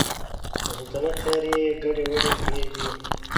د سلطنت چارې یې ګډې وډې کړي دي.